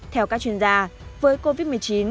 theo các chuyên gia với covid một mươi chín